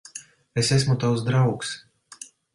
Es esmu tavs draugs.